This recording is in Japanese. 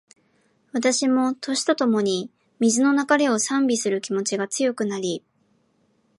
私も、年とともに、水の流れを賛美する気持ちが強くなり